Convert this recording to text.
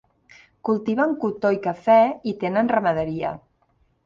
Cultiven cotó i cafè i tenen ramaderia.